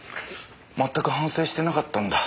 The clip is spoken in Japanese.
まったく反省してなかったんだ